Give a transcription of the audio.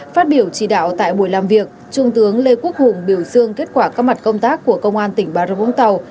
phát biểu chỉ đạo tại buổi làm việc trung tướng lê quốc hùng biểu dương kết quả các mặt công tác của công an tỉnh bà rập vũng tàu